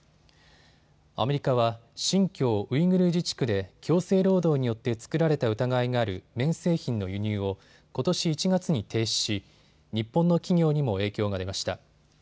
アメリカは新疆ウイグル自治区で強制労働によって作られた疑いがある綿製品の輸入をことし１月に停止し日本の企業にも影響が出ました。